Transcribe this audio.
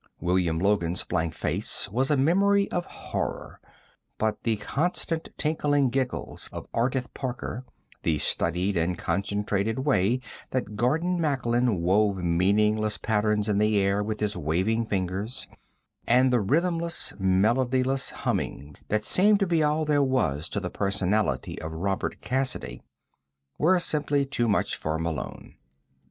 William Logan's blank face was a memory of horror, but the constant tinkling giggles of Ardith Parker, the studied and concentrated way that Gordon Macklin wove meaningless patterns in the air with his waving fingers, and the rhythmless, melodyless humming that seemed to be all there was to the personality of Robert Cassiday were simply too much for Malone.